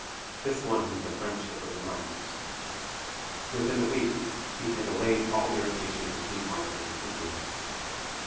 This won him the friendship of the miners. Within a week he had allayed all irritation between white man and Indian.